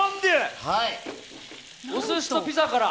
お寿司とピザから？